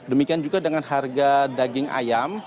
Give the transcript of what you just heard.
demikian juga dengan harga daging ayam